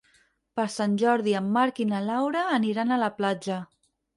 Per Sant Jordi en Marc i na Laura aniran a la platja.